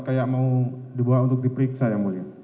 kayak mau dibawa untuk diperiksa yang mulia